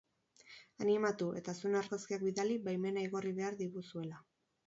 Animatu, eta zuen argazkiak bidali baimena igorri behar diguzuela.